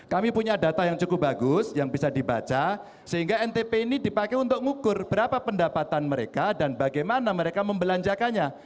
kami punya data yang cukup bagus yang bisa dibaca sehingga ntp ini dipakai untuk ngukur berapa pendapatan mereka dan bagaimana mereka membelanjakannya